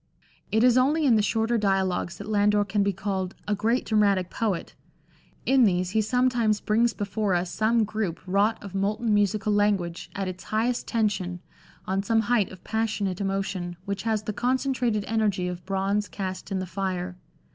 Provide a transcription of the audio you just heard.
It is only in the shorter dialogues that Landor can be called " a great dramatic poet." In these he sometimes brings before us some group wrought of molten musical language at its highest tension, on some height of passionate emotion, which has the concentrated energy of bronze cast in the fire.